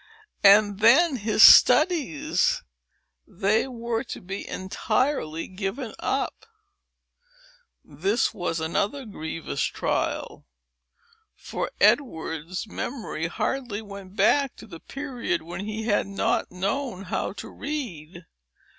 And then his studies! They were to be entirely given up. This was another grievous trial; for Edward's memory hardly went back to the period when he had not known how to read.